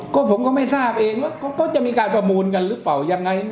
ก็ผมก็ไม่ทราบเองว่าเขาจะมีการประมูลกันหรือเปล่ายังไง